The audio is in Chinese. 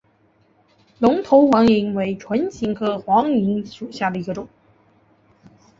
龙头黄芩为唇形科黄芩属下的一个种。